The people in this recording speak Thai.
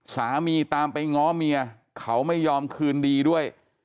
สามีตามไปง้อเมียเขาไม่ยอมคืนดีด้วย